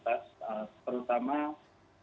terutama perusahaan perusahaan yang memang memiliki